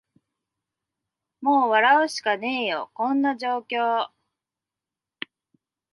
もう笑うしかねーよ、こんな状況